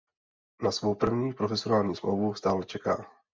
Na svou první profesionální smlouvu stále čeká.